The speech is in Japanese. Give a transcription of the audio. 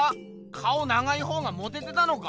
顔長いほうがモテてたのか？